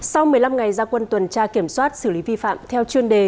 sau một mươi năm ngày gia quân tuần tra kiểm soát xử lý vi phạm theo chuyên đề